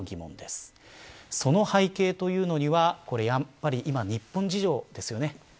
その背景というのにはやはり日本の事情です。